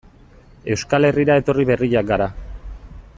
Euskal Herrira etorri berriak gara.